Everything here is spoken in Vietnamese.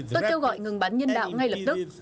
tôi kêu gọi ngừng bắn nhân đạo ngay lập tức